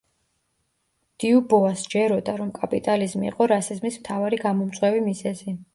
დიუბოას სჯეროდა, რომ კაპიტალიზმი იყო რასიზმის მთავარი გამომწვევი მიზეზი.